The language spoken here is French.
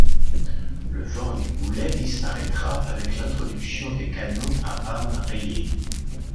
Le vent du boulet disparaitra avec l'introduction des canons à âmes rayées.